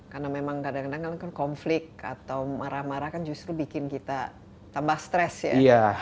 karena memang kadang kadang konflik atau marah marah kan justru bikin kita tambah stress ya